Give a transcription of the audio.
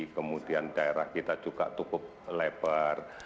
kemudian daerah kita juga cukup lebar